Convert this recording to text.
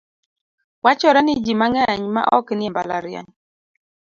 Wachore ni ji mang'eny ma ok nie mbalariany.